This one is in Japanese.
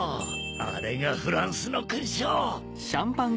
あれがフランスの勲章！